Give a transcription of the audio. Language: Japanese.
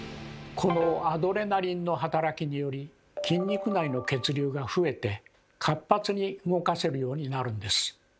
このアドレナリンの働きにより筋肉内の血流が増えて活発に動かせるようになるんです。